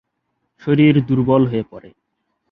শরীর দুর্বল হয়ে পড়ে।